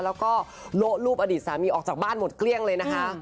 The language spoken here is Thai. แล้วก็โละรูปอดีตสามีออกจากบ้านหมดเกลี้ยงเลยนะคะ